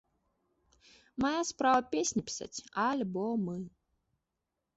Мая справа песні пісаць, альбомы.